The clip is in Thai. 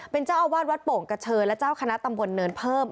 เป็นเจ้าอาวาสวัดโป่งกระเชิญและเจ้าคณะตำบลเนินเพิ่ม